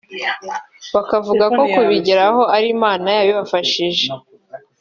bakavuga ko kubigeraho ari Imana yabibafashije